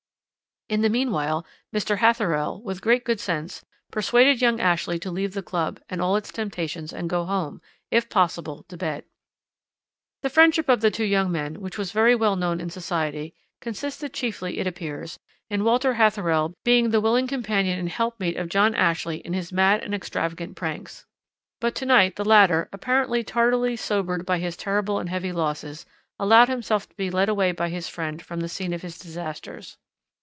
"In the meanwhile Mr. Hatherell, with great good sense, persuaded young Ashley to leave the Club and all its temptations and go home; if possible to bed. "The friendship of the two young men, which was very well known in society, consisted chiefly, it appears, in Walter Hatherell being the willing companion and helpmeet of John Ashley in his mad and extravagant pranks. But to night the latter, apparently tardily sobered by his terrible and heavy losses, allowed himself to be led away by his friend from the scene of his disasters.